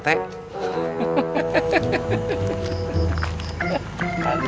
tahunnya jadi pedagang lagi